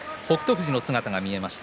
富士の姿が見えます。